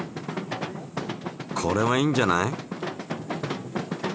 これはいいんじゃない？